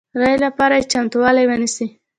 ري لپاره یې چمتوالی ونیسئ